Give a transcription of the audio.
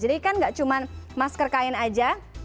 jadi kan nggak cuma masker kain saja